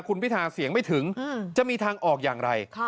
คุณพิทาเสียงไม่ถึงจะมีทางออกอย่างไร